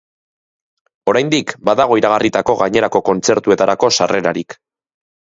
Oraindik badago iragarritako gainerako kontzertuetarako sarrerarik.